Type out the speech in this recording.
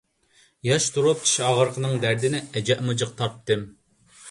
ياش تۇرۇپ چىش ئاغرىقىنىڭ دەردىنى ئەجەبمۇ جىق تارتتىم.